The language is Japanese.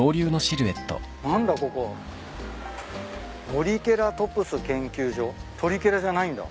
「ノリケラトプス研究所」トリケラじゃないんだ。